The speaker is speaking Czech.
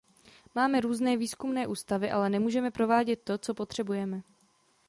Máme různé výzkumné ústavy, ale nemůžeme provádět to, co potřebujeme.